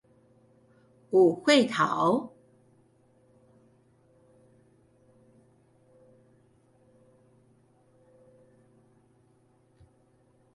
有歲頭